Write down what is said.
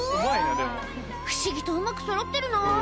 不思議とうまくそろってるな。